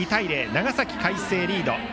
長崎・海星がリード。